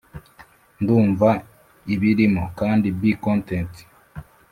ndumva ibirimo, kandi 'be content'